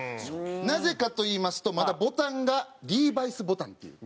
なぜかといいますとまだボタンがリーバイスボタンっていう。